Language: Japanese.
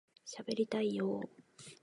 しゃべりたいよ～